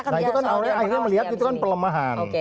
nah itu kan akhirnya melihat itu kan pelemahan